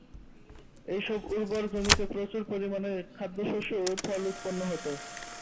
এইসব উর্বর জমিতে প্রচুর পরিমাণে খাদ্যশস্য ও ফল উৎপন্ন হতো।